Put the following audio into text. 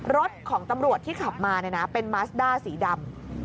รถของตำรวจที่ขับมาเป็นมาสด้าสีดำ